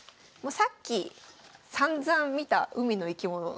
さっきさんざん見た海の生き物の。